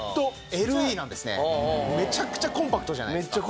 めちゃくちゃコンパクトじゃないですか？